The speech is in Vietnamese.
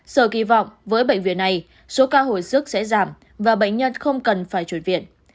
sở kỳ vọng với bệnh viện này số ca hồi sức sẽ giảm và bệnh nhân không cần phải chuyển viện